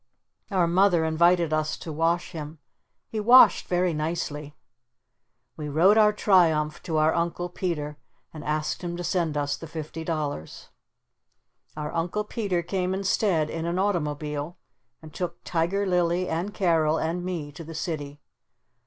Our Mother invited us to wash him. He washed very nicely. We wrote our triumph to our Uncle Peter and asked him to send us the fifty dollars. Our Uncle Peter came instead in an automobile and took Tiger Lily and Carol and me to the city.